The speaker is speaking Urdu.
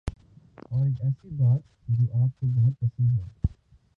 اور ایک ایسی بات جو آپ کو بہت پسند ہے